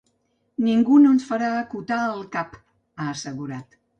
“Ningú no ens farà acotar el cap”, ha assegurat.